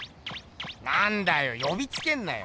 なんだよよびつけんなよ。